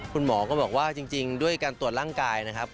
คุณหมอก็บอกว่าจริงด้วยการตรวจร่างกายนะครับ